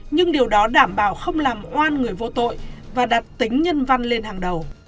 nhưng điều đó đảm bảo không làm oan người vô tội và đặt tính nhân văn lên hàng đầu